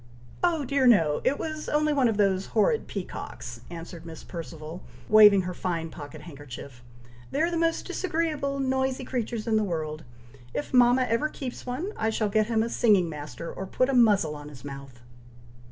"Oh dear, no! it was only one of those horrid peacocks," answered Miss Perceval, waving her fine pocket handkerchief. "They are the most disagreeable, noisy creatures in the world! If mama ever keeps one, I shall get him a singing master, or put a muzzle on his mouth!"